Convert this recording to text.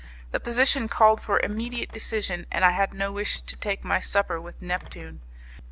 The position called for immediate decision, and I had no wish to take my supper with Neptune.